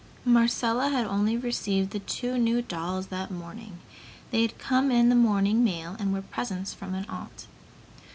Marcella had only received the two new dolls that morning. They had come in the morning mail and were presents from an aunt.